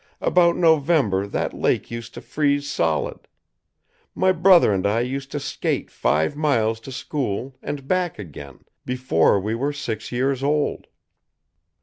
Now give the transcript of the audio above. About November that lake used to freeze solid. My brother and I used to skate five miles to school, and back again, before we were six years old.